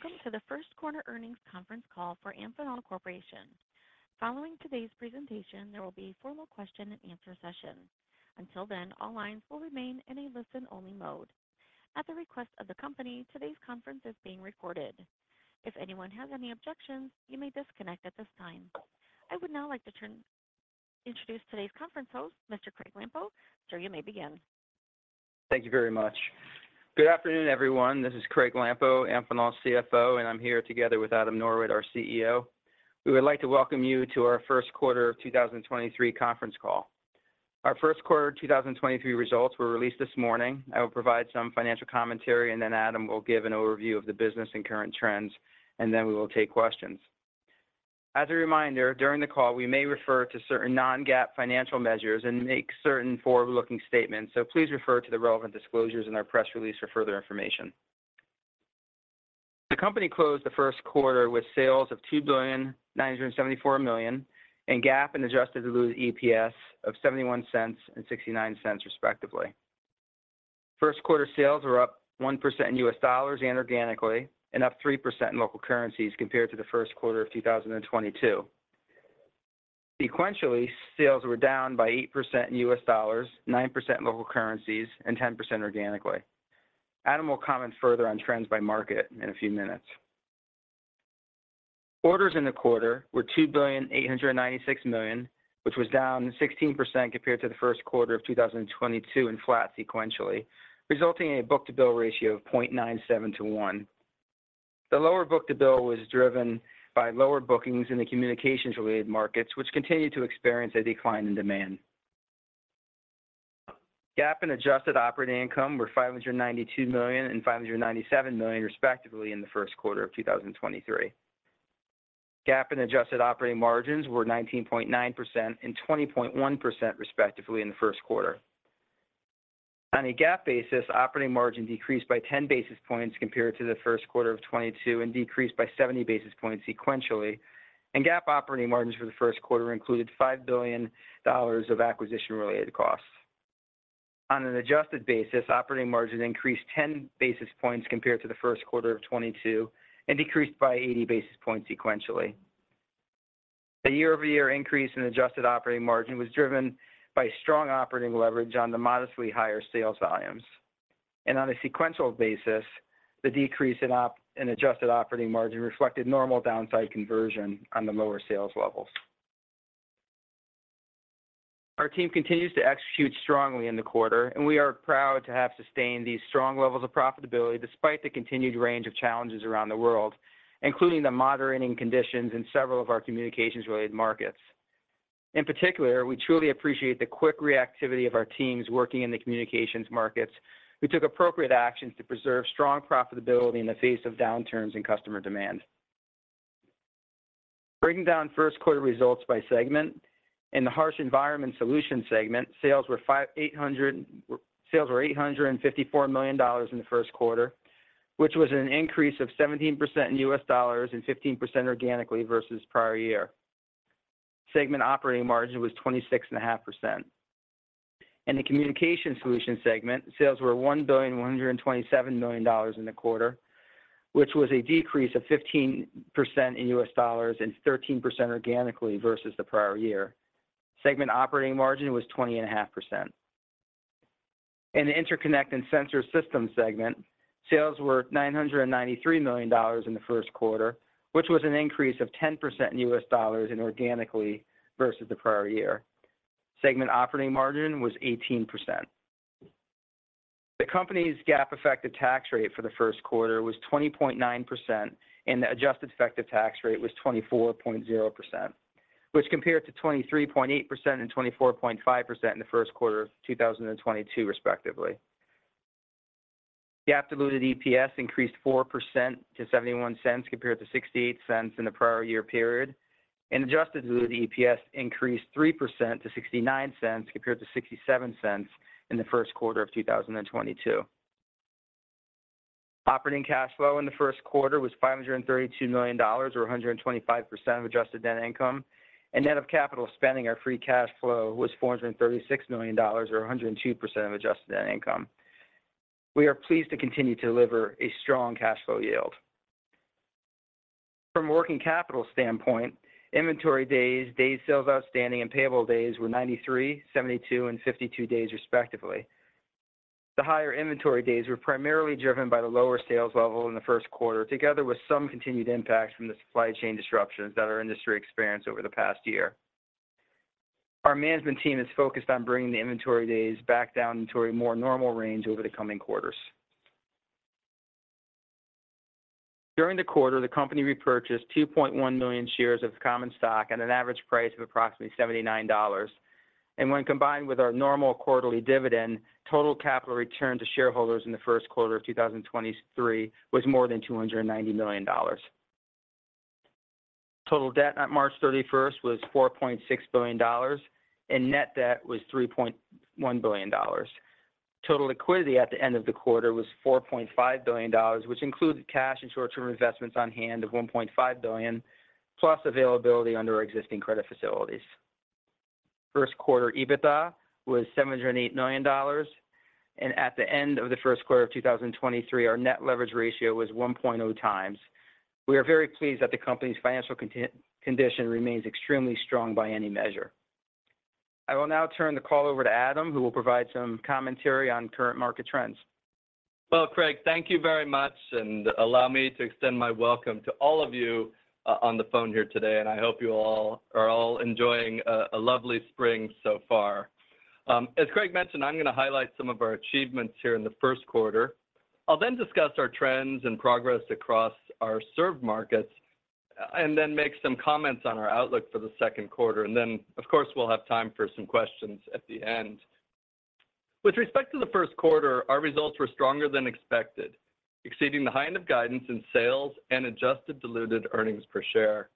Hello, and welcome to the Q1 Earnings Conference Call for Amphenol Corporation. Following today's presentation, there will be a formal question-and-answer session. Until then, all lines will remain in a listen-only mode. At the request of the company, today's conference is being recorded. If anyone has any objections, you may disconnect at this time. I would now like to introduce today's conference host, Mr. Craig Lampo. Sir, you may begin. Thank you very much. Good afternoon, everyone. This is Craig Lampo, Amphenol's CFO. I'm here together with Adam Norwitt, our CEO. We would like to welcome you to our Q1 of 2023 conference call. Our Q1 2023 results were released this morning. I will provide some financial commentary. Then Adam will give an overview of the business and current trends. Then we will take questions. As a reminder, during the call, we may refer to certain non-GAAP financial measures and make certain forward-looking statements. Please refer to the relevant disclosures in our press release for further information. The company closed the Q1 with sales of $2.974 billion. GAAP and adjusted diluted EPS of $0.71 and $0.69, respectively. Q1 sales were up 1% in US dollars and organically, and up 3% in local currencies compared to the Q1 of 2022. Sequentially, sales were down by 8% in US dollars, 9% in local currencies, and 10% organically. Adam will comment further on trends by market in a few minutes. Orders in the quarter were $2,896 million, which was down 16% compared to the Q1 of 2022 and flat sequentially, resulting in a book-to-bill ratio of 0.97 to one. The lower book-to-bill was driven by lower bookings in the communications-related markets, which continued to experience a decline in demand. GAAP and adjusted operating income were $592 million and $597 million, respectively, in the Q1 of 2023. GAAP and adjusted operating margins were 19.9% and 20.1% respectively in the Q1. On a GAAP basis, operating margin decreased by 10 basis points compared to the Q1 of 2022, and decreased by 70 basis points sequentially. GAAP operating margins for the Q1 included $5 billion of acquisition-related costs. On an adjusted basis, operating margin increased 10 basis points compared to the Q1 of 2022, and decreased by 80 basis points sequentially. The year-over-year increase in adjusted operating margin was driven by strong operating leverage on the modestly higher sales volumes. On a sequential basis, the decrease in adjusted operating margin reflected normal downside conversion on the lower sales levels. Our team continues to execute strongly in the quarter, and we are proud to have sustained these strong levels of profitability despite the continued range of challenges around the world, including the moderating conditions in several of our communications-related markets. In particular, we truly appreciate the quick reactivity of our teams working in the communications markets, who took appropriate actions to preserve strong profitability in the face of downturns in customer demand. Breaking down Q1 results by segment. In the Harsh Environment Solutions segment, sales were $854 million in the Q1, which was an increase of 17% in USD and 15% organically versus prior year. Segment operating margin was 26.5%. In the Communication Solutions segment, sales were $1.127 billion in the quarter, which was a decrease of 15% in US dollars and 13% organically versus the prior year. Segment operating margin was 20.5%. In the Interconnect and Sensor Systems segment, sales were $993 million in the Q1, which was an increase of 10% in US dollars and organically versus the prior year. Segment operating margin was 18%. The company's GAAP effective tax rate for the Q1 was 20.9%, and the adjusted effective tax rate was 24.0%, which compared to 23.8% and 24.5% in the Q1 of 2022, respectively. GAAP diluted EPS increased 4% to $0.71 compared to $0.68 in the prior year period. adjusted diluted EPS increased 3% to $0.69 compared to $0.67 in the Q1 of 2022. Operating cash flow in the Q1 was $532 million, or 125% of adjusted net income. Net of capital spending, our free cash flow was $436 million, or 102% of adjusted net income. We are pleased to continue to deliver a strong cash flow yield. From a working capital standpoint, inventory days sales outstanding, and payable days were 93, 72, and 52 days, respectively. The higher inventory days were primarily driven by the lower sales level in the Q1, together with some continued impacts from the supply chain disruptions that our industry experienced over the past year. Our management team is focused on bringing the inventory days back down into a more normal range over the coming quarters. During the quarter, the company repurchased 2.1 million shares of common stock at an average price of approximately $79. When combined with our normal quarterly dividend, total capital return to shareholders in the Q1 of 2023 was more than $290 million. Total debt on 31 March was $4.6 billion, and net debt was $3.1 billion. Total liquidity at the end of the quarter was $4.5 billion, which included cash and short-term investments on hand of $1.5 billion, plus availability under our existing credit facilities. Q1 EBITDA was $708 million. At the end of the Q1 of 2023, our net leverage ratio was 1.0 times. We are very pleased that the company's financial condition remains extremely strong by any measure. I will now turn the call over to Adam, who will provide some commentary on current market trends. Well, Craig, thank you very much, and allow me to extend my welcome to all of you on the phone here today, and I hope you all are enjoying a lovely spring so far. As Craig mentioned, I'm gonna highlight some of our achievements here in the Q1. I'll then discuss our trends and progress across our served markets, and then make some comments on our outlook for the Q2. Of course, we'll have time for some questions at the end. With respect to the Q1, our results were stronger than expected, exceeding the high end of guidance in sales and adjusted diluted earnings per share.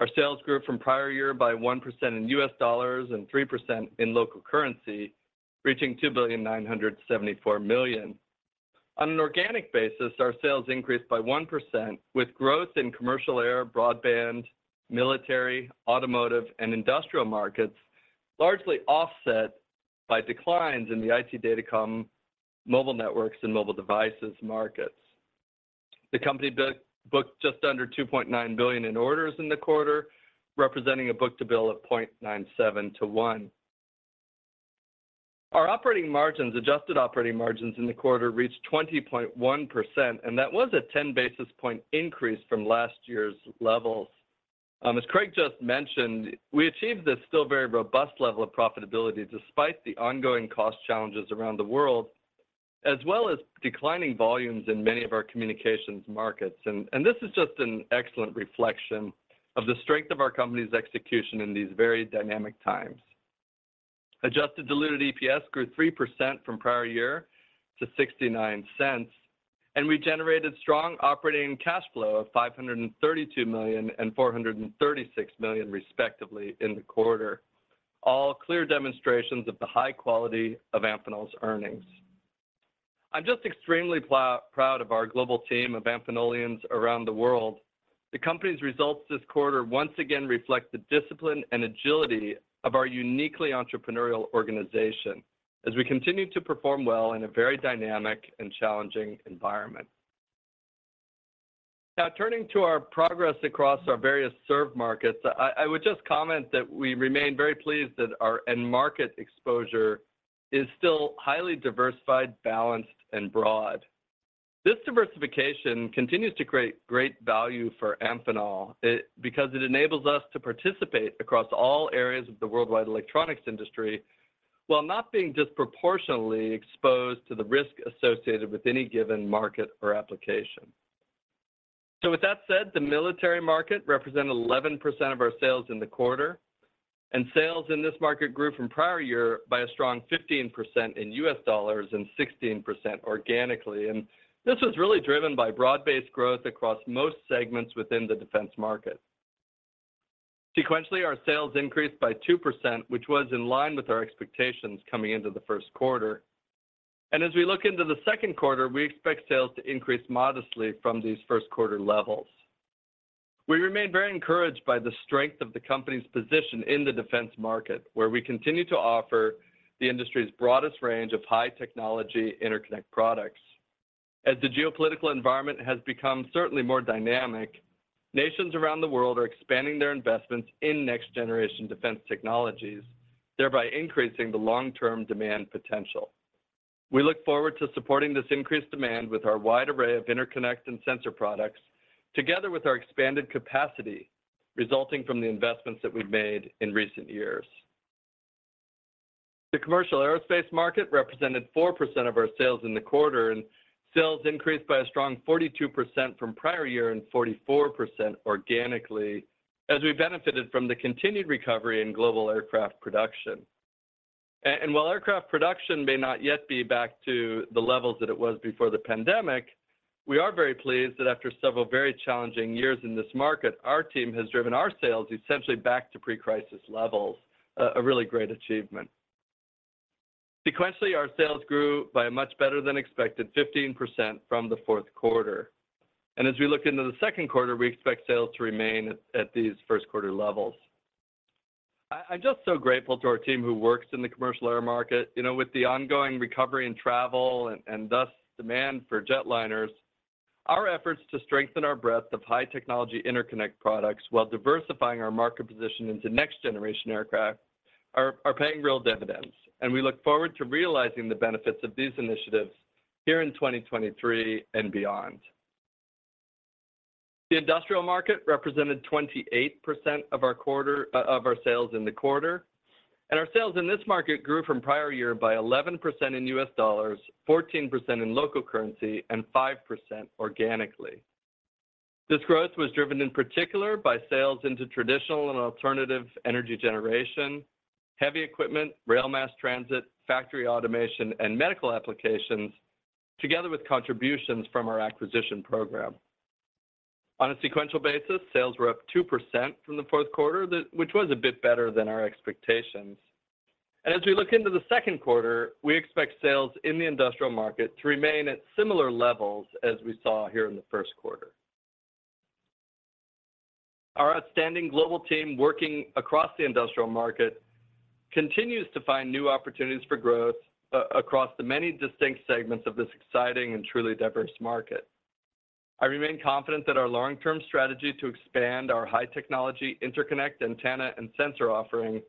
Our sales grew from prior year by 1% in US dollars and 3% in local currency, reaching $2.974 billion. On an organic basis, our sales increased by 1% with growth in commercial air, broadband, military, automotive, and industrial markets, largely offset by declines in the IT Datacom, mobile networks, and mobile devices markets. The company booked just under $2.9 billion in orders in the quarter, representing a book-to-bill of 0.97 to one. Our operating margins, adjusted operating margins in the quarter reached 20.1%. That was a 10 basis point increase from last year's levels. As Craig just mentioned, we achieved this still very robust level of profitability despite the ongoing cost challenges around the world, as well as declining volumes in many of our communications markets. This is just an excellent reflection of the strength of our company's execution in these very dynamic times. Adjusted diluted EPS grew 3% from prior year to $0.69. We generated strong operating cash flow of $532 million and $436 million respectively in the quarter. All clear demonstrations of the high quality of Amphenol's earnings. I'm just extremely proud of our global team of Amphenolians around the world. The company's results this quarter once again reflect the discipline and agility of our uniquely entrepreneurial organization as we continue to perform well in a very dynamic and challenging environment. Turning to our progress across our various served markets, I would just comment that we remain very pleased that our end market exposure is still highly diversified, balanced, and broad. This diversification continues to create great value for Amphenol, it because it enables us to participate across all areas of the worldwide electronics industry while not being disproportionately exposed to the risk associated with any given market or application. With that said, the military market represent 11% of our sales in the quarter. Sales in this market grew from prior year by a strong 15% in US dollars and 16% organically. This was really driven by broad-based growth across most segments within the defense market. Sequentially, our sales increased by 2%, which was in line with our expectations coming into the Q1. As we look into the Q2, we expect sales to increase modestly from these Q1 levels. We remain very encouraged by the strength of the company's position in the defense market, where we continue to offer the industry's broadest range of high technology interconnect products. As the geopolitical environment has become certainly more dynamic, nations around the world are expanding their investments in next generation defense technologies, thereby increasing the long-term demand potential. We look forward to supporting this increased demand with our wide array of interconnect and sensor products together with our expanded capacity resulting from the investments that we've made in recent years. The commercial aerospace market represented 4% of our sales in the quarter, and sales increased by a strong 42% from prior year and 44% organically as we benefited from the continued recovery in global aircraft production. While aircraft production may not yet be back to the levels that it was before the pandemic, we are very pleased that after several very challenging years in this market, our team has driven our sales essentially back to pre-crisis levels, a really great achievement. Sequentially, our sales grew by a much better than expected 15% from the Q4. As we look into the Q2, we expect sales to remain at these Q1 levels. I'm just so grateful to our team who works in the commercial air market. You know, with the ongoing recovery in travel and thus demand for jetliners, our efforts to strengthen our breadth of high technology interconnect products while diversifying our market position into next generation aircraft are paying real dividends. We look forward to realizing the benefits of these initiatives here in 2023 and beyond. The industrial market represented 28% of our quarter, of our sales in the quarter, and our sales in this market grew from prior year by 11% in US dollars, 14% in local currency, and 5% organically. This growth was driven in particular by sales into traditional and alternative energy generation, heavy equipment, rail mass transit, factory automation, and medical applications, together with contributions from our acquisition program. On a sequential basis, sales were up 2% from the Q4, which was a bit better than our expectations. As we look into the Q2, we expect sales in the industrial market to remain at similar levels as we saw here in the Q1. our outstanding global team working across the industrial market continues to find new opportunities for growth across the many distinct segments of this exciting and truly diverse market. I remain confident that our long-term strategy to expand our high technology interconnect, antenna, and sensor offering,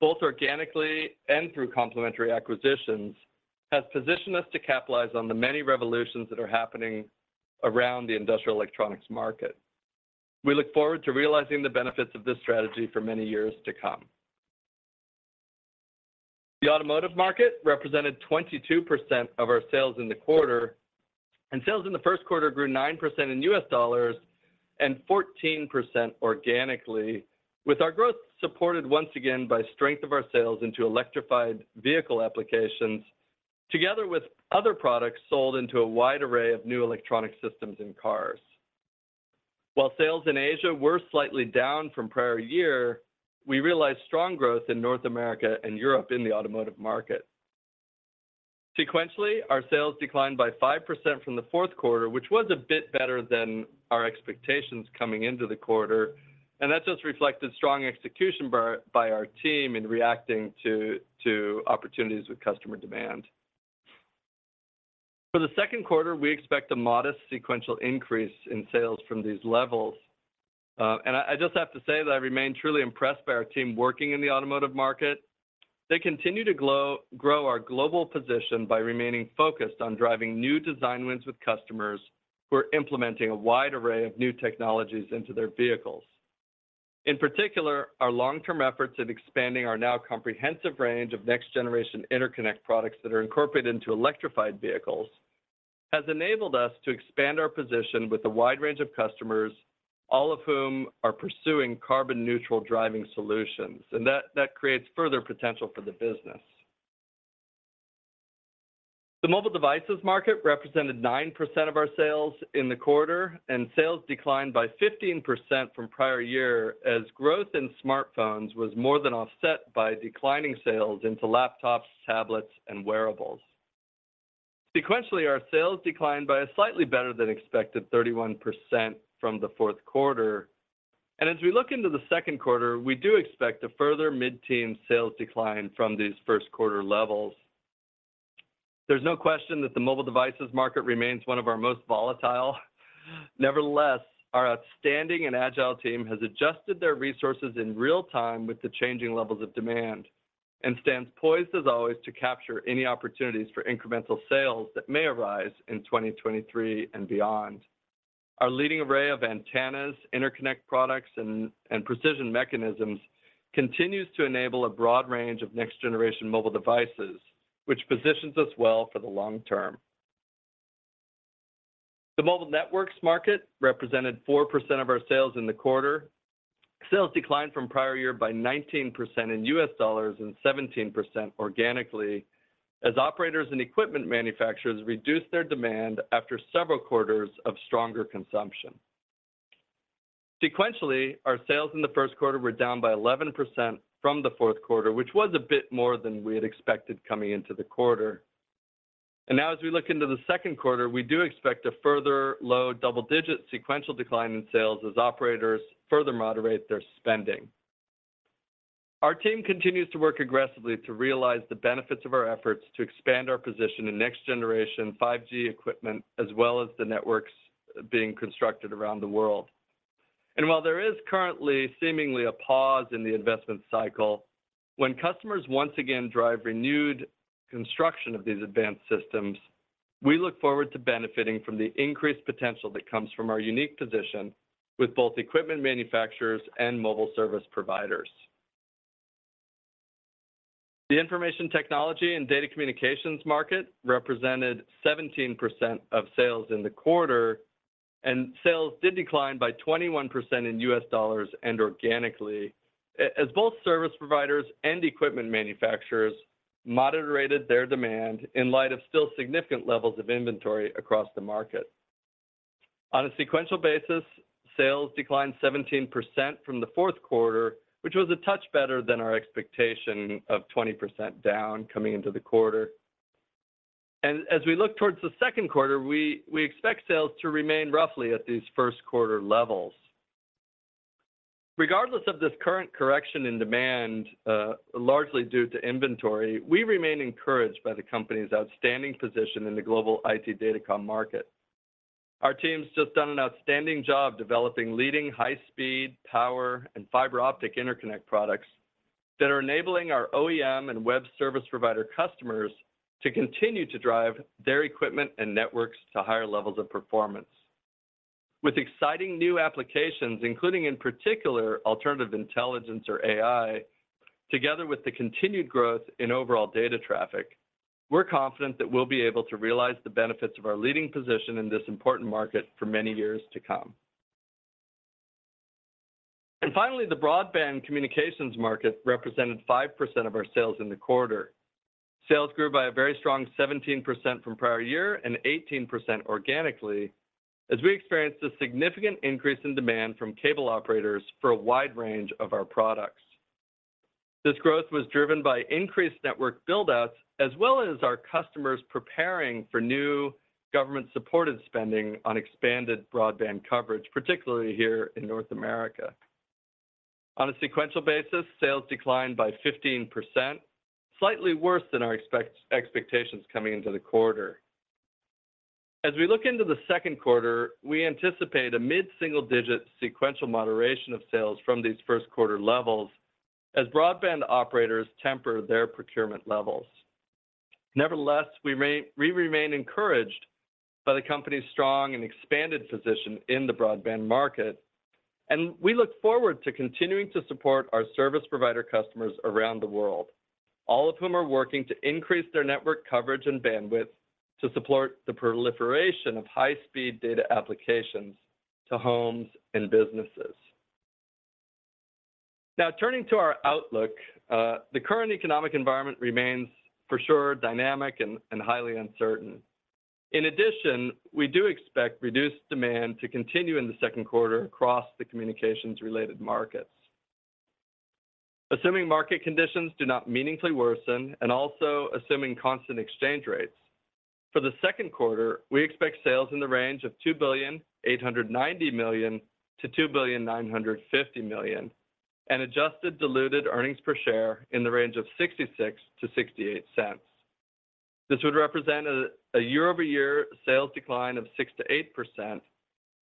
both organically and through complementary acquisitions, has positioned us to capitalize on the many revolutions that are happening around the industrial electronics market. We look forward to realizing the benefits of this strategy for many years to come. The automotive market represented 22% of our sales in the quarter, and sales in the Q1 grew 9% in US dollars and 14% organically, with our growth supported once again by strength of our sales into electrified vehicle applications, together with other products sold into a wide array of new electronic systems in cars. While sales in Asia were slightly down from prior year, we realized strong growth in North America and Europe in the automotive market. Sequentially, our sales declined by 5% from the Q4, which was a bit better than our expectations coming into the quarter, and that just reflected strong execution by our team in reacting to opportunities with customer demand. For the Q2, we expect a modest sequential increase in sales from these levels. I just have to say that I remain truly impressed by our team working in the automotive market. They continue to grow our global position by remaining focused on driving new design wins with customers who are implementing a wide array of new technologies into their vehicles. In particular, our long-term efforts in expanding our now comprehensive range of next-generation interconnect products that are incorporated into electrified vehicles has enabled us to expand our position with a wide range of customers, all of whom are pursuing carbon-neutral driving solutions, and that creates further potential for the business. The mobile devices market represented 9% of our sales in the quarter. Sales declined by 15% from prior year as growth in smartphones was more than offset by declining sales into laptops, tablets, and wearables. Sequentially, our sales declined by a slightly better than expected 31% from the Q4. As we look into the Q2, we do expect a further mid-teen sales decline from these Q1 levels. There's no question that the mobile devices market remains one of our most volatile. Nevertheless, our outstanding and agile team has adjusted their resources in real time with the changing levels of demand and stands poised as always to capture any opportunities for incremental sales that may arise in 2023 and beyond. Our leading array of antennas, interconnect products, and precision mechanisms continues to enable a broad range of next-generation mobile devices, which positions us well for the long term. The mobile networks market represented 4% of our sales in the quarter. Sales declined from prior year by 19% in US dollars and 17% organically as operators and equipment manufacturers reduced their demand after several quarters of stronger consumption. Sequentially, our sales in the Q1 were down by 11% from the Q4, which was a bit more than we had expected coming into the quarter. Now as we look into the Q2, we do expect a further low double-digit sequential decline in sales as operators further moderate their spending. Our team continues to work aggressively to realize the benefits of our efforts to expand our position in next-generation 5G equipment, as well as the networks being constructed around the world. While there is currently seemingly a pause in the investment cycle, when customers once again drive renewed construction of these advanced systems, we look forward to benefiting from the increased potential that comes from our unique position with both equipment manufacturers and mobile service providers. The IT Datacom market represented 17% of sales in the quarter. Sales did decline by 21% in $ and organically as both service providers and equipment manufacturers moderated their demand in light of still significant levels of inventory across the market. On a sequential basis, sales declined 17% from the Q4, which was a touch better than our expectation of 20% down coming into the quarter. As we look towards the Q2, we expect sales to remain roughly at these Q1 levels. Regardless of this current correction in demand, largely due to inventory, we remain encouraged by the company's outstanding position in the global IT Datacom market. Our team's just done an outstanding job developing leading high speed, power, and fiber optic interconnect products that are enabling our OEM and web service provider customers to continue to drive their equipment and networks to higher levels of performance. With exciting new applications, including in particular alternative intelligence or AI, together with the continued growth in overall data traffic, we're confident that we'll be able to realize the benefits of our leading position in this important market for many years to come. Finally, the broadband communications market represented 5% of our sales in the quarter. Sales grew by a very strong 17% from prior year and 18% organically as we experienced a significant increase in demand from cable operators for a wide range of our products. This growth was driven by increased network build-outs as well as our customers preparing for new government-supported spending on expanded broadband coverage, particularly here in North America. On a sequential basis, sales declined by 15%, slightly worse than our expectations coming into the quarter. As we look into the Q2, we anticipate a mid-single-digit sequential moderation of sales from these Q1 levels as broadband operators temper their procurement levels. Nevertheless, we remain encouraged by the company's strong and expanded position in the broadband market, and we look forward to continuing to support our service provider customers around the world, all of whom are working to increase their network coverage and bandwidth to support the proliferation of high-speed data applications to homes and businesses. Turning to our outlook, the current economic environment remains for sure dynamic and highly uncertain. In addition, we do expect reduced demand to continue in the Q2 across the communications-related markets. Assuming market conditions do not meaningfully worsen and also assuming constant exchange rates, for the Q2, we expect sales in the range of $2.89 billion-$2.95 billion, and adjusted diluted earnings per share in the range of $0.66-$0.68. This would represent a year-over-year sales decline of 6%-8%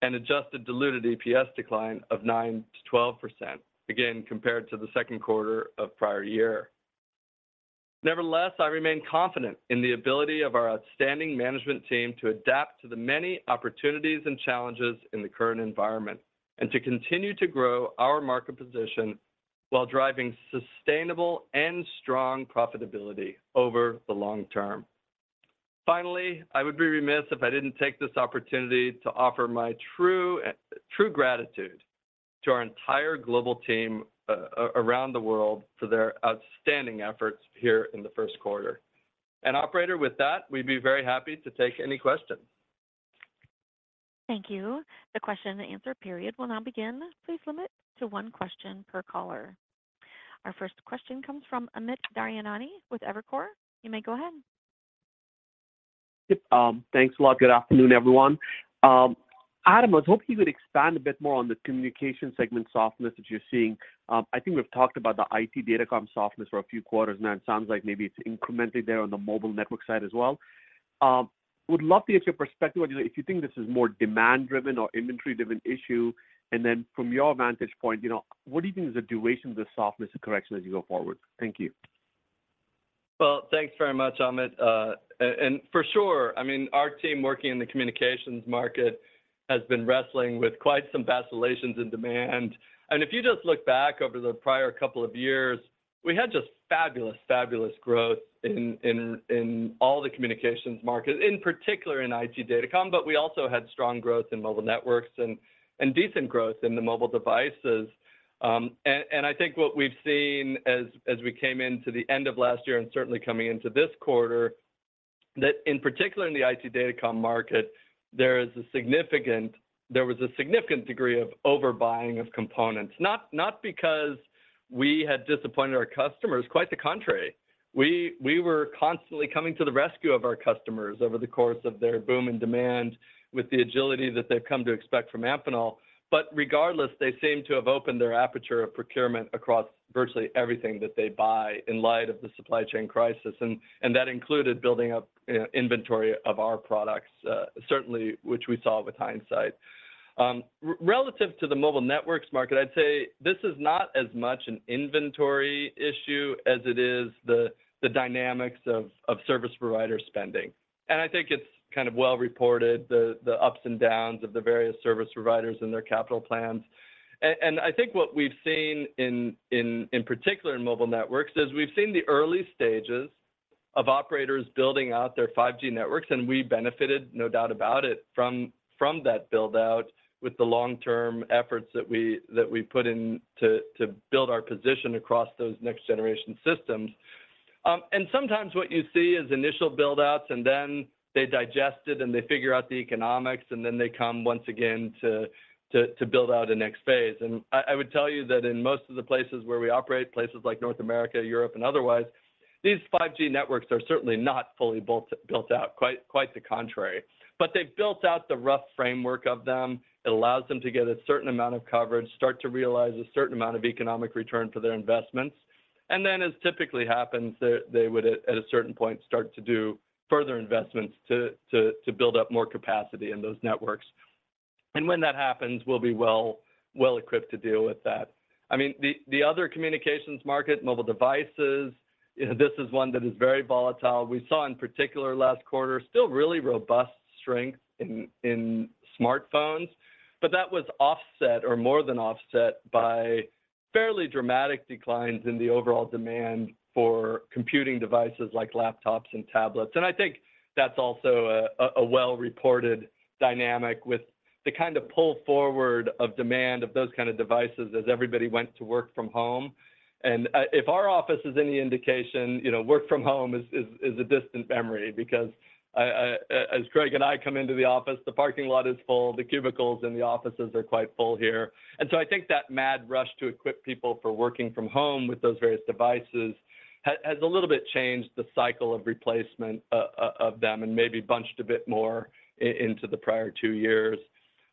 and adjusted diluted EPS decline of 9%-12%, again, compared to the Q2 of prior year. Nevertheless, I remain confident in the ability of our outstanding management team to adapt to the many opportunities and challenges in the current environment and to continue to grow our market position while driving sustainable and strong profitability over the long term. Finally, I would be remiss if I didn't take this opportunity to offer my true gratitude to our entire global team around the world for their outstanding efforts here in the Q1. Operator, with that, we'd be very happy to take any questions. Thank you. The question and answer period will now begin. Please limit to one question per caller. Our first question comes from Amit Daryanani with Evercore. You may go ahead. Thanks a lot. Good afternoon, everyone. Adam, I was hoping you could expand a bit more on the communication segment softness that you're seeing. I think we've talked about the IT Datacom softness for a few quarters now. It sounds like maybe it's incrementally there on the mobile network side as well. Would love to get your perspective, if you think this is more demand-driven or inventory-driven issue. From your vantage point, you know, what do you think is the duration of the softness correction as you go forward? Thank you. Well, thanks very much, Amit. I mean, our team working in the communications market has been wrestling with quite some vacillations in demand. If you just look back over the prior couple of years, we had just fabulous growth in all the communications markets, in particular in IT Datacom, but we also had strong growth in mobile networks and decent growth in the mobile devices. I think what we've seen as we came into the end of last year and certainly coming into this quarter, that in particular in the IT Datacom market, there was a significant degree of overbuying of components, not because we had disappointed our customers. Quite the contrary. We were constantly coming to the rescue of our customers over the course of their boom in demand with the agility that they've come to expect from Amphenol. Regardless, they seem to have opened their aperture of procurement across virtually everything that they buy in light of the supply chain crisis, and that included building up inventory of our products, certainly which we saw with hindsight. Relative to the mobile networks market, I'd say this is not as much an inventory issue as it is the dynamics of service provider spending. I think it's kind of well reported, the ups and downs of the various service providers and their capital plans. I think what we've seen in particular in mobile networks is we've seen the early stages of operators building out their 5G networks, and we benefited, no doubt about it, from that build-out with the long-term efforts that we put in to build our position across those next generation systems. Sometimes what you see is initial build-outs, and then they digest it, and they figure out the economics, and then they come once again to build out a next phase. I would tell you that in most of the places where we operate, places like North America, Europe, and otherwise, these 5G networks are certainly not fully built out, quite the contrary. They've built out the rough framework of them. It allows them to get a certain amount of coverage, start to realize a certain amount of economic return for their investments. Then as typically happens, they would at a certain point start to do further investments to build up more capacity in those networks. When that happens, we'll be well equipped to deal with that. I mean, the other communications market, mobile devices, this is one that is very volatile. We saw in particular last quarter still really robust strength in smartphones, but that was offset or more than offset by fairly dramatic declines in the overall demand for computing devices like laptops and tablets. I think that's also a well-reported dynamic with the kind of pull forward of demand of those kind of devices as everybody went to work from home. If our office is any indication, you know, work from home is a distant memory because as Craig and I come into the office, the parking lot is full, the cubicles and the offices are quite full here. I think that mad rush to equip people for working from home with those various devices has a little bit changed the cycle of replacement of them and maybe bunched a bit more into the prior two years.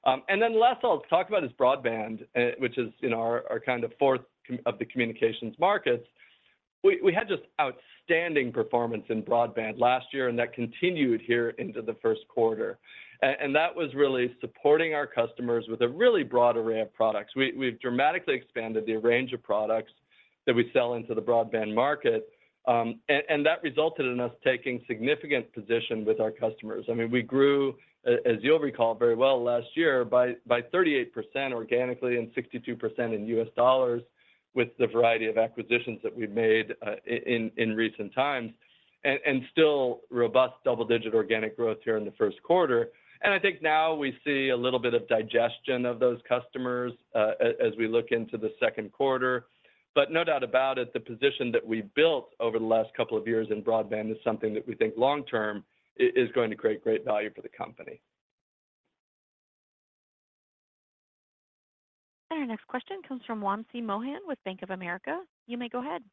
Last I'll talk about is broadband, which is, you know, our kind of fourth of the communications markets. We had just outstanding performance in broadband last year, and that continued here into the Q1. And that was really supporting our customers with a really broad array of products. We've dramatically expanded the range of products that we sell into the broadband market, and that resulted in us taking significant position with our customers. I mean, we grew, as you'll recall very well last year, by 38% organically and 62% in USD with the variety of acquisitions that we've made in recent times, and still robust double-digit organic growth here in the Q1. I think now we see a little bit of digestion of those customers, as we look into the Q2. No doubt about it, the position that we built over the last couple of years in broadband is something that we think long term is going to create great value for the company. Our next question comes from Wamsi Mohan with Bank of America. You may go ahead.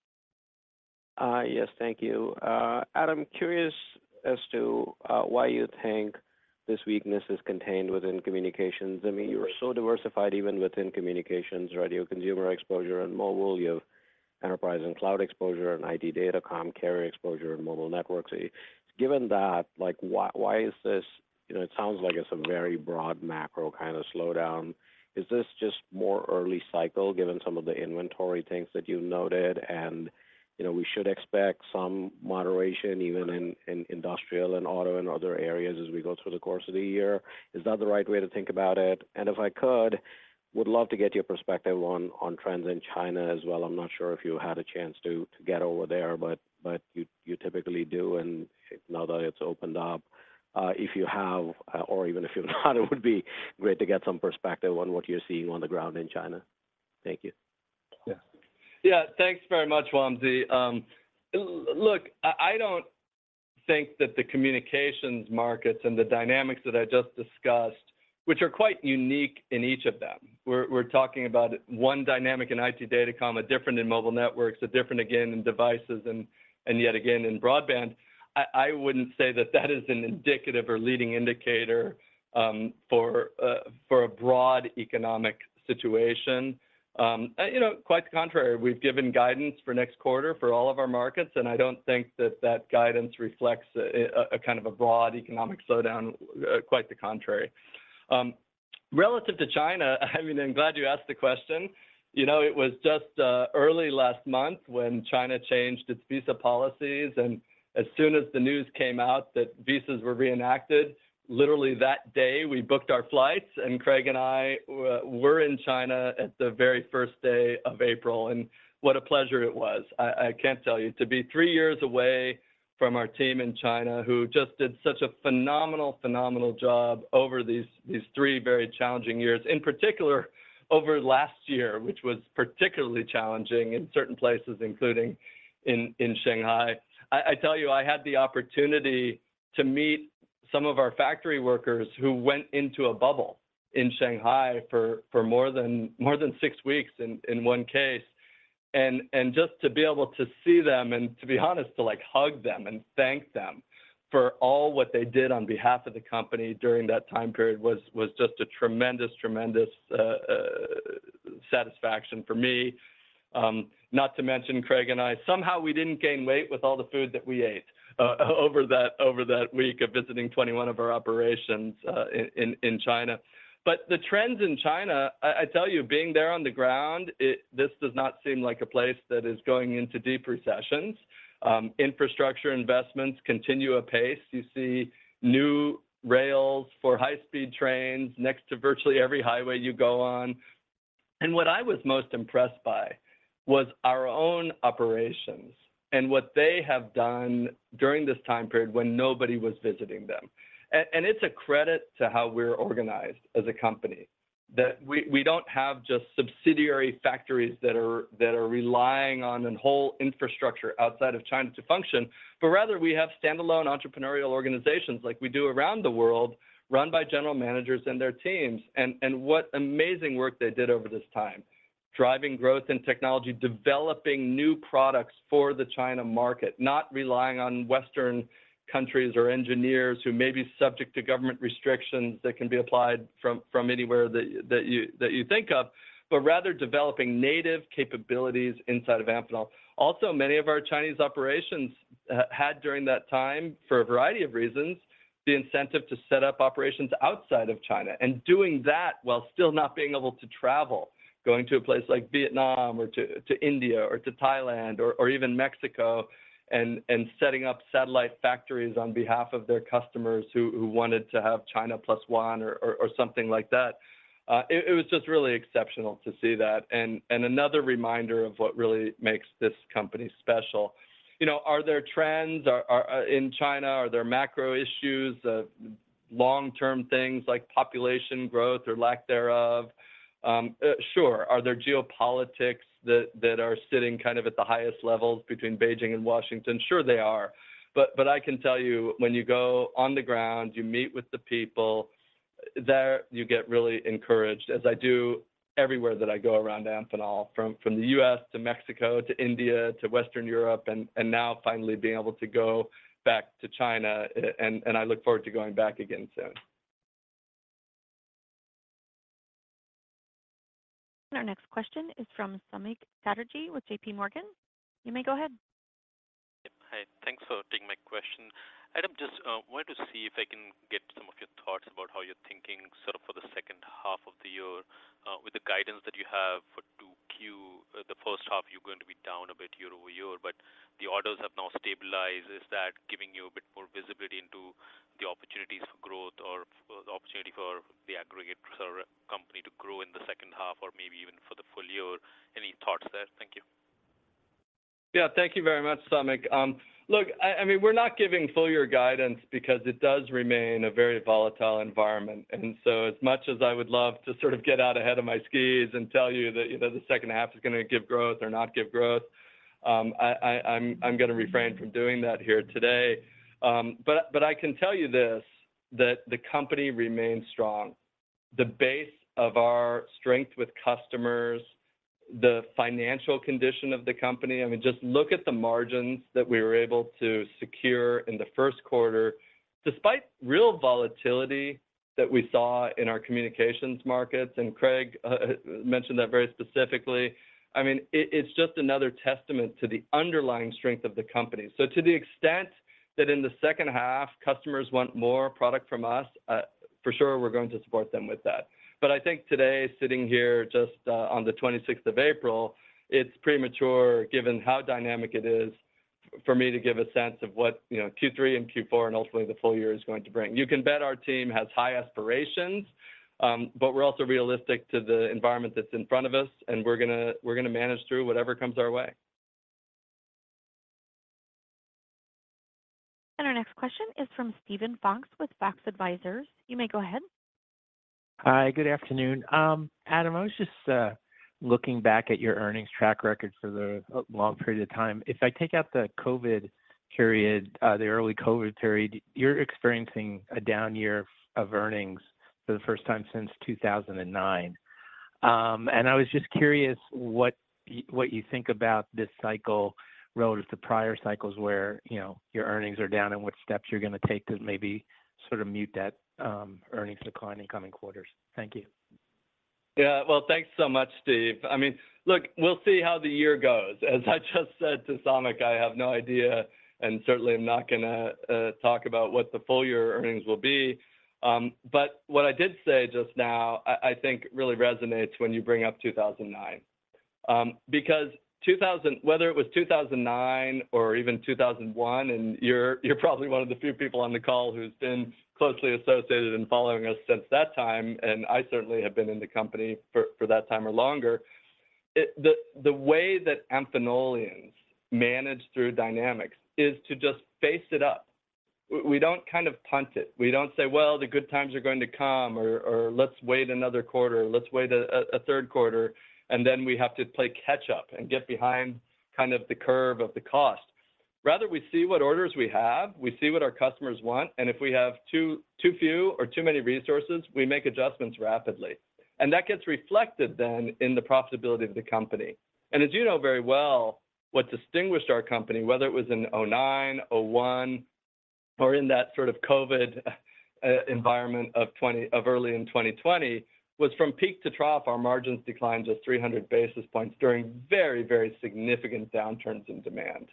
Yes, thank you. Adam, curious as to why you think this weakness is contained within communications. I mean, you are so diversified even within communications, radio consumer exposure and mobile. You have enterprise and cloud exposure and IT Datacom carrier exposure and mobile networks. Given that, like, why is this... You know, it sounds like it's a very broad macro kind of slowdown. Is this just more early cycle given some of the inventory things that you noted? You know, we should expect some moderation even in industrial and auto and other areas as we go through the course of the year. Is that the right way to think about it? If I could, would love to get your perspective on trends in China as well. I'm not sure if you had a chance to get over there, but you typically do. Now that it's opened up, if you have or even if you've not, it would be great to get some perspective on what you're seeing on the ground in China. Thank you. Yeah. Thanks very much, Wamsi. look, I don't think that the communications markets and the dynamics that I just discussed, which are quite unique in each of them. We're talking about one dynamic in IT Datacom, a different in mobile networks, a different again in devices and yet again in broadband. I don't think that that is an indicative or leading indicator for a broad economic situation. You know, quite the contrary, we've given guidance for next quarter for all of our markets, and I don't think that guidance reflects a kind of a broad economic slowdown, quite the contrary. Relative to China, I mean, I'm glad you asked the question. You know, it was just early last month when China changed its visa policies. As soon as the news came out that visas were reenacted, literally that day, we booked our flights, and Craig and I were in China at the very first day of April. What a pleasure it was. I can't tell you. To be three years away from our team in China, who just did such a phenomenal job over these three very challenging years. In particular, over last year, which was particularly challenging in certain places, including in Shanghai. I tell you, I had the opportunity to meet some of our factory workers who went into a bubble in Shanghai for more than six weeks in one case. Just to be able to see them and to be honest, to like, hug them and thank them for all what they did on behalf of the company during that time period was just a tremendous satisfaction for me. Not to mention Craig and I, somehow we didn't gain weight with all the food that we ate over that week of visiting 21 of our operations in China. The trends in China, I tell you, being there on the ground, this does not seem like a place that is going into deep recessions. Infrastructure investments continue apace. You see new rails for high-speed trains next to virtually every highway you go on. What I was most impressed by was our own operations and what they have done during this time period when nobody was visiting them. And it's a credit to how we're organized as a company, that we don't have just subsidiary factories that are relying on a whole infrastructure outside of China to function, but rather we have standalone entrepreneurial organizations like we do around the world, run by general managers and their teams, and what amazing work they did over this time. Driving growth in technology, developing new products for the China market, not relying on Western countries or engineers who may be subject to government restrictions that can be applied from anywhere that you think of, but rather developing native capabilities inside of Amphenol. Also, many of our Chinese operations had during that time for a variety of reasons, the incentive to set up operations outside of China and doing that while still not being able to travel, going to a place like Vietnam or to India or to Thailand or even Mexico and setting up satellite factories on behalf of their customers who wanted to have China plus one or something like that. It was just really exceptional to see that. And another reminder of what really makes this company special. You know, are there trends in China, are there macro issues, long-term things like population growth or lack thereof? Sure. Are there geopolitics that are sitting kind of at the highest levels between Beijing and Washington? Sure, they are. I can tell you when you go on the ground, you meet with the people, there you get really encouraged, as I do everywhere that I go around Amphenol, from the U.S. to Mexico to India to Western Europe, and now finally being able to go back to China, and I look forward to going back again soon. Our next question is from Samik Chatterjee with J.P. Morgan. You may go ahead. Yeah. Hi. Thanks for taking my question. Adam, just wanted to see if I can get some of your thoughts about how you're thinking sort of for the second half of the year, with the guidance that you have for 2Q. The first half you're going to be down a bit year-over-year, but the orders have now stabilized. Is that giving you a bit more visibility into the opportunities for growth or for the opportunity for the aggregate sort of company to grow in the second half or maybe even for the full year? Any thoughts there? Thank you. Yeah. Thank you very much, Samik. Look, I mean, we're not giving full year guidance because it does remain a very volatile environment. As much as I would love to sort of get out ahead of my skis and tell you that, you know, the second half is gonna give growth or not give growth, I'm gonna refrain from doing that here today. I can tell you this, that the company remains strong. The base of our strength with customers, the financial condition of the company, I mean, just look at the margins that we were able to secure in the Q1 despite real volatility that we saw in our communications markets. Craig mentioned that very specifically. I mean, it's just another testament to the underlying strength of the company. To the extent that in the second half customers want more product from us, for sure we're going to support them with that. I think today, sitting here just on the 26 April, it's premature, given how dynamic it is, for me to give a sense of what, you know, Q3 and Q4 and ultimately the full year is going to bring. You can bet our team has high aspirations, but we're also realistic to the environment that's in front of us, and we're gonna manage through whatever comes our way. Our next question is from Steven Fox with Fox Advisors. You may go ahead. Hi. Good afternoon. Adam, I was just looking back at your earnings track record for the long period of time. If I take out the COVID period, the early COVID period, you're experiencing a down year of earnings for the first time since 2009. I was just curious what you think about this cycle relative to prior cycles where, you know, your earnings are down and what steps you're gonna take to maybe sort of mute that earnings decline in coming quarters. Thank you. Yeah. Well, thanks so much, Steven Fox. I mean, look, we'll see how the year goes. As I just said to Samik Chatterjee, I have no idea, and certainly I'm not gonna talk about what the full year earnings will be. But what I did say just now, I think really resonates when you bring up 2009. Because whether it was 2009 or even 2001, and you're probably one of the few people on the call who's been closely associated and following us since that time, and I certainly have been in the company for that time or longer. The way that Amphenolians manage through dynamics is to just face it up. We don't kind of punt it. We don't say, "Well, the good times are going to come," or, "Let's wait another quarter. Let's wait a Q3," then we have to play catch up and get behind kind of the curve of the cost. Rather, we see what orders we have, we see what our customers want, and if we have too few or too many resources, we make adjustments rapidly. That gets reflected then in the profitability of the company. As you know very well, what distinguished our company, whether it was in 2009, 2001, or in that sort of COVID environment of early in 2020, was from peak to trough, our margins declined just 300 basis points during very, very significant downturns in demand.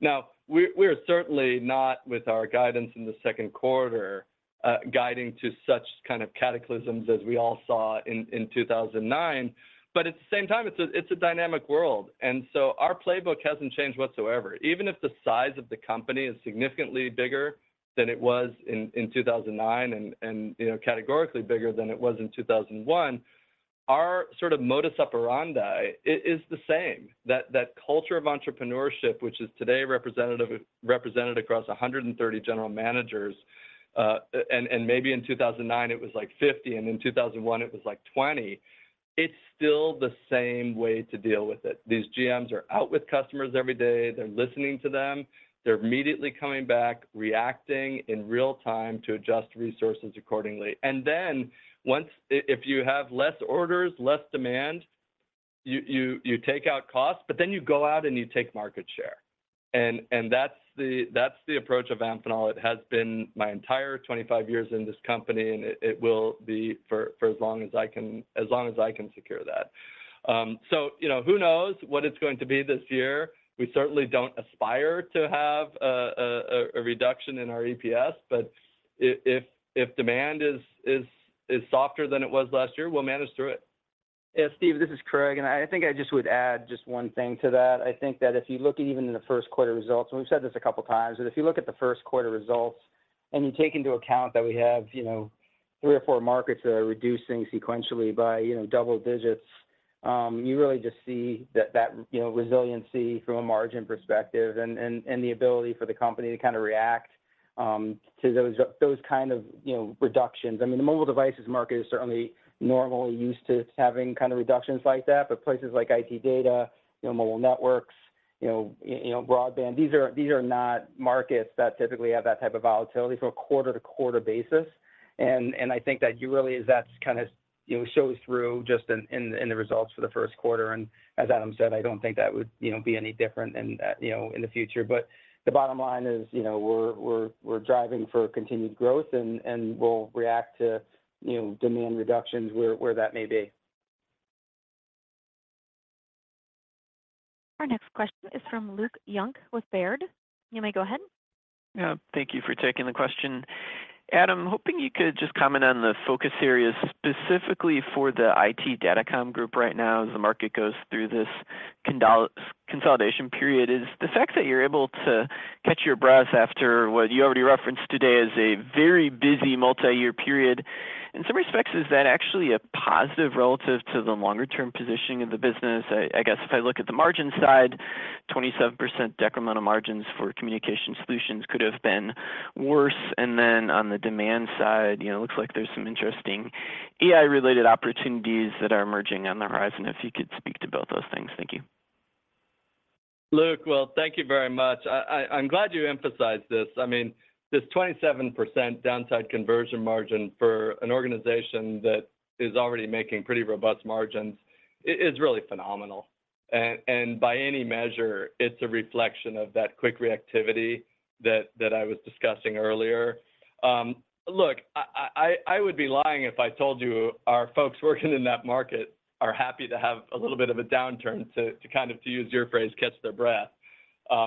Now, we're certainly not, with our guidance in the Q2, guiding to such kind of cataclysms as we all saw in 2009, but at the same time, it's a dynamic world. So our playbook hasn't changed whatsoever. Even if the size of the company is significantly bigger than it was in 2009 and, you know, categorically bigger than it was in 2001, our sort of modus operandi is the same. That culture of entrepreneurship, which is today represented across 130 General Managers, and maybe in 2009 it was, like, 50, and in 2001 it was, like, 20, it's still the same way to deal with it. These GMs are out with customers every day. They're listening to them. They're immediately coming back, reacting in real time to adjust resources accordingly. If you have less orders, less demand, you take out costs, then you go out and you take market share. That's the approach of Amphenol. It has been my entire 25 years in this company, and it will be for as long as I can secure that. You know, who knows what it's going to be this year. We certainly don't aspire to have a reduction in our EPS, if demand is softer than it was last year, we'll manage through it. Yeah. Steve, this is Craig. I think I just would add just one thing to that. I think that if you look even in the Q1 results, and we've said this a couple times, but if you look at the Q1 results and you take into account that we have, you know, three or four markets that are reducing sequentially by, you know, double digits... You really just see that, you know, resiliency from a margin perspective and the ability for the company to kind of react to those kind of, you know, reductions. I mean, the mobile devices market is certainly normally used to having kind of reductions like that, but places like IT Datacom, you know, mobile networks, you know, broadband, these are not markets that typically have that type of volatility from a quarter-over-quarter basis. I think that you really as that's kind of, you know, shows through just in the results for the Q1. As Adam said, I don't think that would, you know, be any different, you know, in the future. The bottom line is, you know, we're driving for continued growth and we'll react to, you know, demand reductions where that may be. Our next question is from Luke Junk with Baird. You may go ahead. Yeah. Thank you for taking the question. Adam, hoping you could just comment on the focus areas specifically for the IT Datacom Group right now as the market goes through this consolidation period. Is the fact that you're able to catch your breath after what you already referenced today as a very busy multi-year period, in some respects, actually a positive relative to the longer term positioning of the business? I guess if I look at the margin side, 27% decremental margins for Communication Solutions could have been worse. On the demand side, you know, looks like there's some interesting AI-related opportunities that are emerging on the horizon, if you could speak to both those things. Thank you. Luke, well, thank you very much. I'm glad you emphasized this. I mean, this 27% downside conversion margin for an organization that is already making pretty robust margins is really phenomenal. By any measure, it's a reflection of that quick reactivity that I was discussing earlier. Look, I would be lying if I told you our folks working in that market are happy to have a little bit of a downturn to kind of, to use your phrase, catch their breath.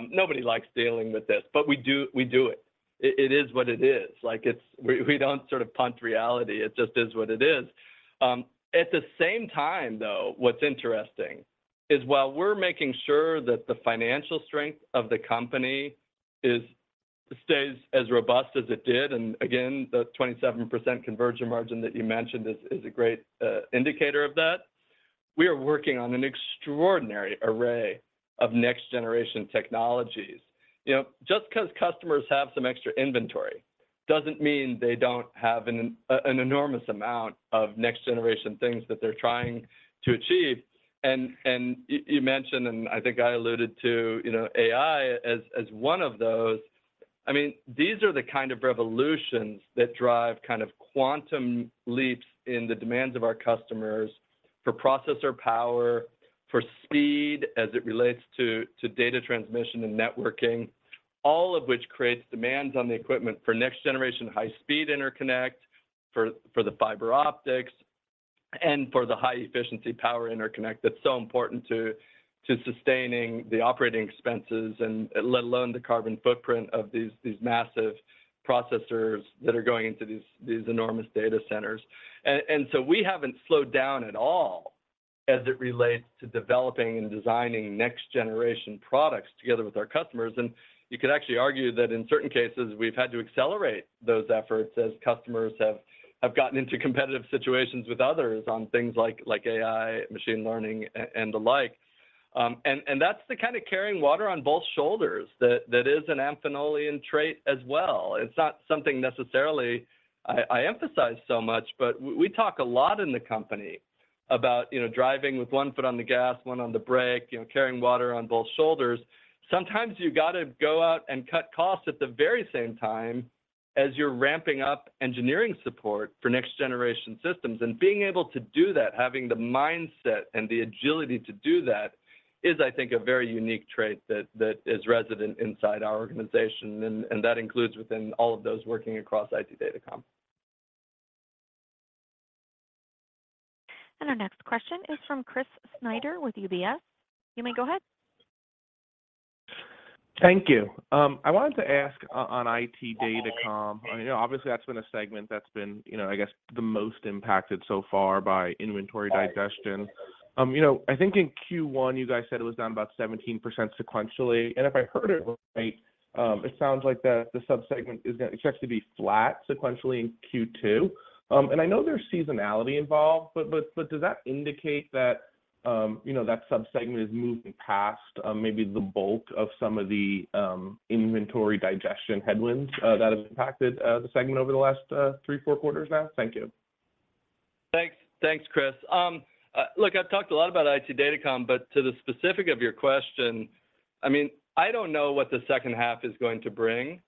Nobody likes dealing with this, but we do it. It is what it is. Like it's we don't sort of punt reality. It just is what it is. At the same time though, what's interesting is while we're making sure that the financial strength of the company stays as robust as it did, and again, the 27% conversion margin that you mentioned is a great indicator of that, we are working on an extraordinary array of next generation technologies. You know, just 'cause customers have some extra inventory doesn't mean they don't have an enormous amount of next generation things that they're trying to achieve. You, you mentioned, and I think I alluded to, you know, AI as one of those. I mean, these are the kind of revolutions that drive kind of quantum leaps in the demands of our customers for processor power, for speed as it relates to data transmission and networking, all of which creates demands on the equipment for next generation high speed interconnect, for the fiber optics and for the high efficiency power interconnect that's so important to sustaining the operating expenses and let alone the carbon footprint of these massive processors that are going into these enormous data centers. So we haven't slowed down at all as it relates to developing and designing next generation products together with our customers. You could actually argue that in certain cases we've had to accelerate those efforts as customers have gotten into competitive situations with others on things like AI, machine learning and the like. That's the kind of carrying water on both shoulders that is an Amphenolian trait as well. It's not something necessarily I emphasize so much, but we talk a lot in the company about, you know, driving with one foot on the gas, one on the brake, you know, carrying water on both shoulders. Sometimes you gotta go out and cut costs at the very same time as you're ramping up engineering support for next generation systems. Being able to do that, having the mindset and the agility to do that is I think a very unique trait that is resident inside our organization. That includes within all of those working across IT Datacom. Our next question is from Chris Snyder with UBS. You may go ahead. Thank you. I wanted to ask on IT Datacom. I know obviously that's been a segment that's been, you know, I guess the most impacted so far by inventory digestion. You know, I think in Q1 you guys said it was down about 17% sequentially, and if I heard it right, it sounds like the sub-segment expects to be flat sequentially in Q2. And I know there's seasonality involved, but does that indicate that, you know, that sub-segment is moving past maybe the bulk of some of the inventory digestion headwinds that have impacted the segment over the last three, four quarters now? Thank you. Thanks. Thanks, Chris. Look, I've talked a lot about IT Datacom, but to the specific of your question, I mean, I don't know what the second half is going to bring.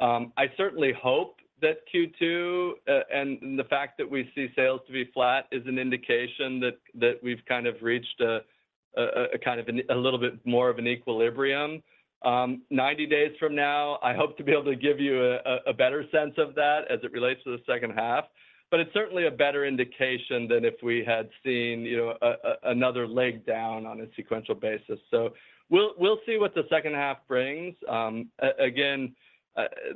I certainly hope that Q2, and the fact that we see sales to be flat is an indication that we've kind of reached a little bit more of an equilibrium. 90 days from now, I hope to be able to give you a better sense of that as it relates to the second half, but it's certainly a better indication than if we had seen, you know, another leg down on a sequential basis. We'll see what the second half brings. Again,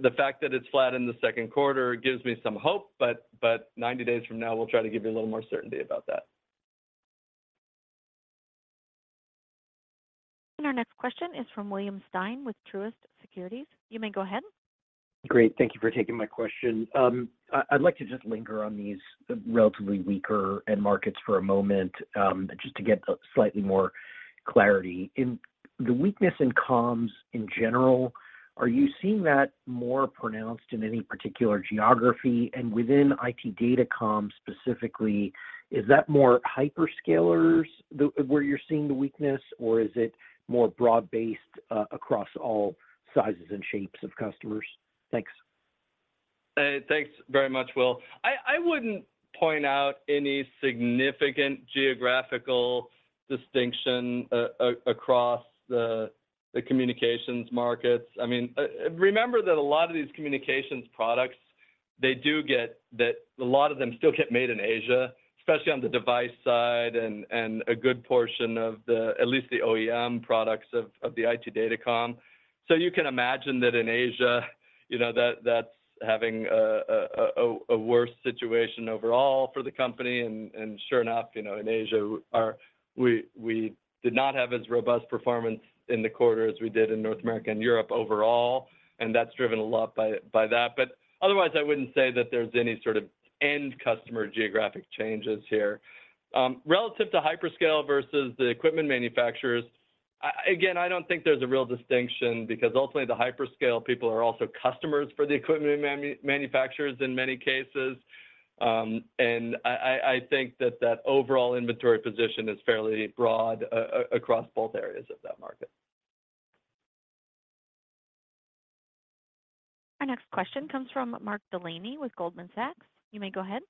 the fact that it's flat in the Q2 gives me some hope, but 90 days from now, we'll try to give you a little more certainty about that. Our next question is from William Stein with Truist Securities. You may go ahead. Great. Thank you for taking my question. I'd like to just linger on these relatively weaker end markets for a moment, just to get a slightly more clarity. In the weakness in comms in general, are you seeing that more pronounced in any particular geography? Within IT Datacom specifically, is that more hyperscalers where you're seeing the weakness, or is it more broad-based across all sizes and shapes of customers? Thanks. Thanks very much, Will. I wouldn't point out any significant geographical distinction across the communications markets. I mean, remember that a lot of these communications products, a lot of them still get made in Asia, especially on the device side and a good portion of the, at least the OEM products of the IT Datacom. You can imagine that in Asia, you know, that's having a worse situation overall for the company. Sure enough, you know, in Asia, we did not have as robust performance in the quarter as we did in North America and Europe overall, and that's driven a lot by that. Otherwise, I wouldn't say that there's any sort of end customer geographic changes here. Relative to hyperscale versus the equipment manufacturers, again, I don't think there's a real distinction because ultimately the hyperscale people are also customers for the equipment manufacturers in many cases. I think that that overall inventory position is fairly broad across both areas of that market. Our next question comes from Mark Delaney with Goldman Sachs. You may go ahead.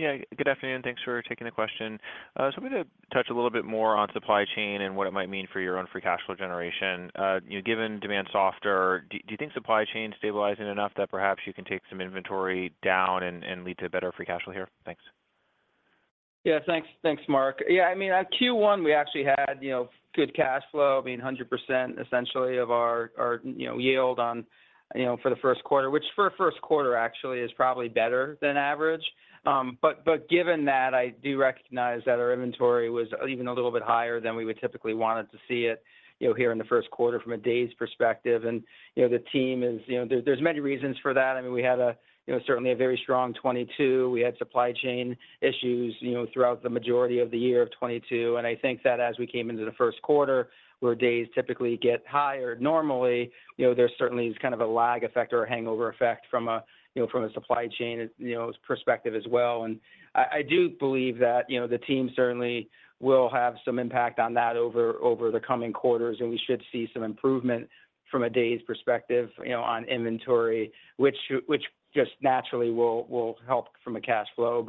Yeah. Good afternoon. Thanks for taking the question. I'm gonna touch a little bit more on supply chain and what it might mean for your own free cash flow generation. You know, given demand softer, do you think supply chain stabilizing enough that perhaps you can take some inventory down and lead to better free cash flow here? Thanks. Yeah, thanks. Thanks, Mark. Yeah, I mean, at Q1 we actually had, you know, good cash flow. I mean, 100% essentially of our, you know, yield on, you know, for the Q1, which for a Q1 actually is probably better than average. But given that, I do recognize that our inventory was even a little bit higher than we would typically want it to see it, you know, here in the Q1 from a days perspective. You know, there's many reasons for that. I mean, we had a, you know, certainly a very strong 2022. We had supply chain issues, you know, throughout the majority of the year of 2022. I think that as we came into the Q1, where days typically get higher normally, you know, there certainly is kind of a lag effect or a hangover effect from a, you know, from a supply chain, you know, perspective as well. I do believe that, you know, the team certainly will have some impact on that over the coming quarters, and we should see some improvement from a days perspective, you know, on inventory, which just naturally will help from a cash flow.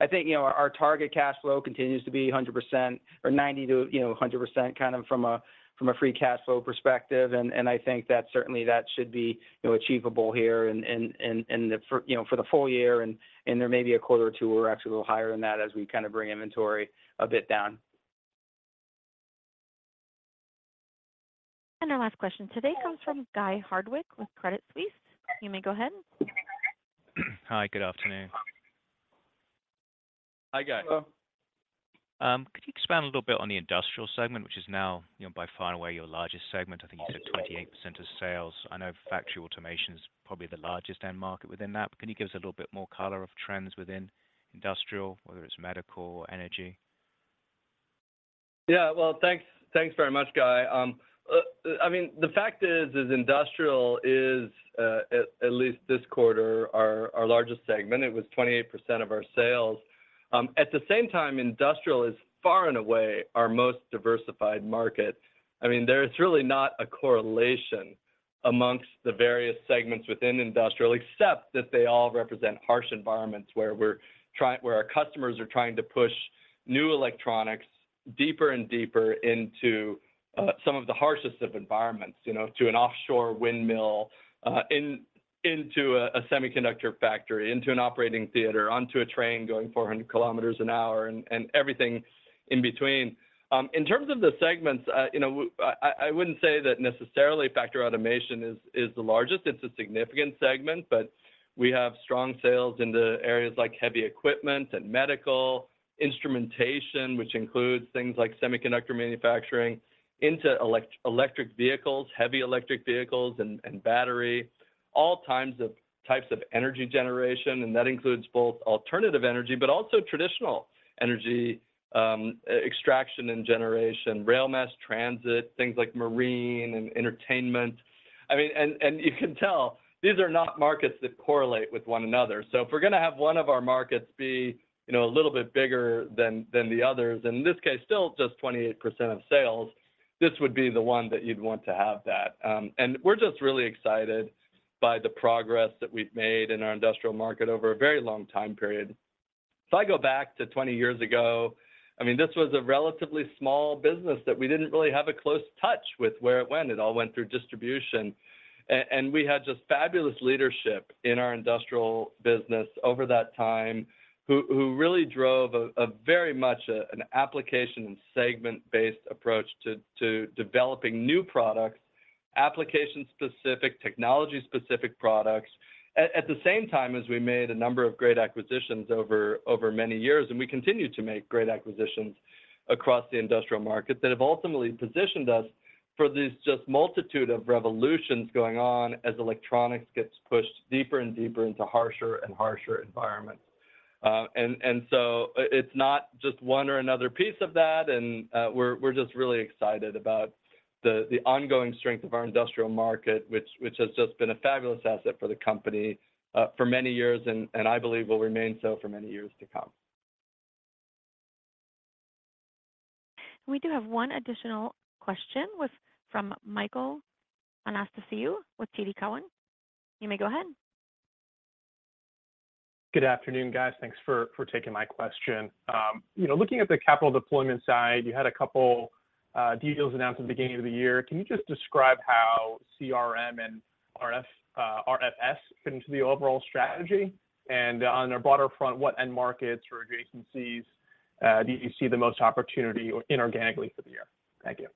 I think, you know, our target cash flow continues to be 100% or 90% to, you know, 100% kind of from a, from a free cash flow perspective. I think that certainly that should be, you know, achievable here and for, you know, for the full year. There may be a quarter or two, we're actually a little higher than that as we kind of bring inventory a bit down. Our last question today comes from Guy Hardwick with Credit Suisse. You may go ahead. Hi, good afternoon. Hi, Guy. Could you expand a little bit on the industrial segment, which is now, you know, by far and away your largest segment, I think you said 28% of sales. I know factory automation is probably the largest end market within that. Can you give us a little bit more color of trends within industrial, whether it's medical or energy? Well, thanks. Thanks very much, Guy. I mean, the fact is, Industrial is, at least this quarter our largest segment. It was 28% of our sales. At the same time, Industrial is far and away our most diversified market. I mean, there's really not a correlation amongst the various segments within Industrial, except that they all represent harsh environments where our customers are trying to push new electronics deeper and deeper into some of the harshest of environments, you know, to an offshore windmill, into a semiconductor factory, into an operating theater, onto a train going 400 kilometers an hour and everything in between. In terms of the segments, you know, I wouldn't say that necessarily factory automation is the largest. It's a significant segment, but we have strong sales into areas like heavy equipment and medical, instrumentation, which includes things like semiconductor manufacturing into electric vehicles, heavy electric vehicles and battery, all types of energy generation. That includes both alternative energy, but also traditional energy, extraction and generation, rail mass transit, things like marine and entertainment. I mean, you can tell these are not markets that correlate with one another. If we're gonna have one of our markets be, you know, a little bit bigger than the others, in this case, still just 28% of sales, this would be the one that you'd want to have that. We're just really excited by the progress that we've made in our industrial market over a very long time period. If I go back to 20 years ago, I mean, this was a relatively small business that we didn't really have a close touch with where it went. It all went through distribution. We had just fabulous leadership in our industrial business over that time, who really drove a very much an application and segment-based approach to developing new products. Application-specific, technology-specific products. At the same time as we made a number of great acquisitions over many years, We continue to make great acquisitions across the industrial market that have ultimately positioned us for these just multitude of revolutions going on as electronics gets pushed deeper and deeper into harsher and harsher environments. It's not just one or another piece of that, and we're just really excited about the ongoing strength of our industrial market, which has just been a fabulous asset for the company for many years and I believe will remain so for many years to come. We do have one additional question from Michael Anastasiou with TD Cowen. You may go ahead. Good afternoon, guys. Thanks for taking my question. You know, looking at the capital deployment side, you had a couple deals announced at the beginning of the year. Can you just describe how CMR and RFS fit into the overall strategy? On a broader front, what end markets or adjacencies do you see the most opportunity inorganically for the year? Thank you.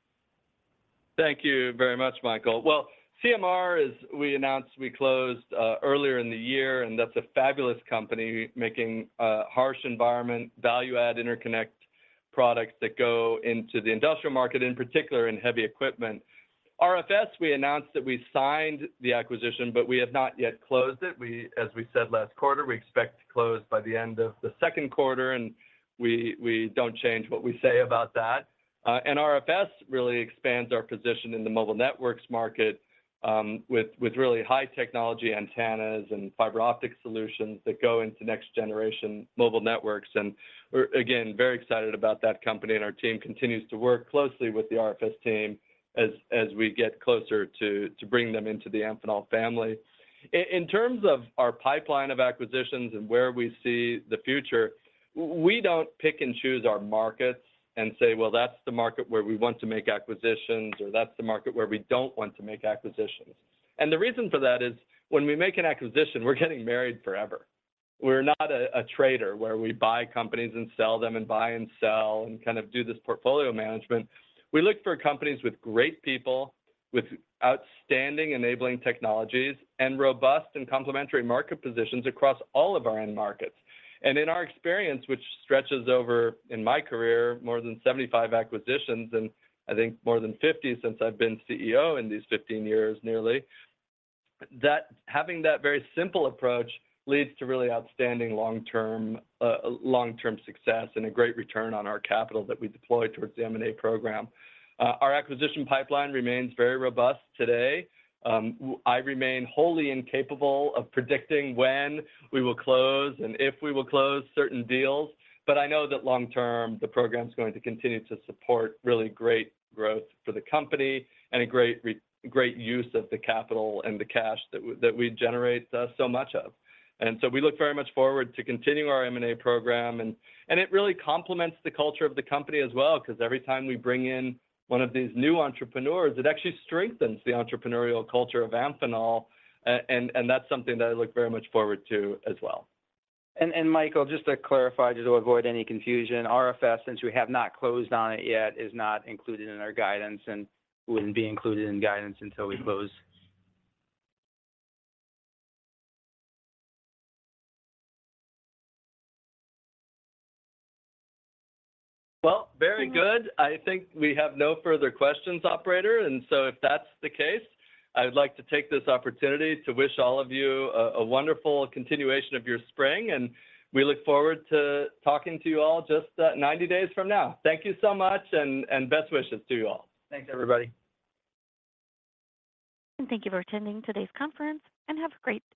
Thank you very much, Michael. Well, CMR, as we announced, we closed earlier in the year, and that's a fabulous company making harsh environment value-add interconnect products that go into the industrial market, in particular in heavy equipment. RFS, we announced that we signed the acquisition, we have not yet closed it. We, as we said last quarter, we expect to close by the end of the Q2, we don't change what we say about that. RFS really expands our position in the mobile networks market, with really high technology antennas and fiber optic solutions that go into next generation mobile networks. We're, again, very excited about that company, our team continues to work closely with the RFS team as we get closer to bring them into the Amphenol family. In terms of our pipeline of acquisitions and where we see the future, we don't pick and choose our markets and say, "Well, that's the market where we want to make acquisitions," or, "That's the market where we don't want to make acquisitions." The reason for that is when we make an acquisition, we're getting married forever. We're not a trader where we buy companies and sell them and buy and sell and kind of do this portfolio management. We look for companies with great people, with outstanding enabling technologies, and robust and complementary market positions across all of our end markets. In our experience, which stretches over, in my career, more than 75 acquisitions, and I think more than 50 since I've been CEO in these 15 years nearly, that having that very simple approach leads to really outstanding long-term, long-term success and a great return on our capital that we deploy towards the M&A program. Our acquisition pipeline remains very robust today. I remain wholly incapable of predicting when we will close and if we will close certain deals, but I know that long term the program's going to continue to support really great growth for the company and a great use of the capital and the cash that we generate, so much of. We look very much forward to continuing our M&A program, and it really complements the culture of the company as well, 'cause every time we bring in one of these new entrepreneurs, it actually strengthens the entrepreneurial culture of Amphenol, and that's something that I look very much forward to as well. Michael, just to clarify, just to avoid any confusion, RFS, since we have not closed on it yet, is not included in our guidance and wouldn't be included in guidance until we close. Well, very good. I think we have no further questions, operator. If that's the case, I would like to take this opportunity to wish all of you a wonderful continuation of your spring. We look forward to talking to you all just 90 days from now. Thank you so much, and best wishes to you all. Thanks, everybody. Thank you for attending today's conference, and have a great day.